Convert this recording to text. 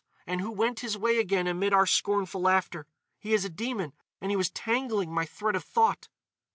And who went his way again amid our scornful laughter.... He is a demon. And he was tangling my thread of thought!"